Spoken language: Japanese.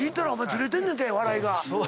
ズレてんねんて笑いが。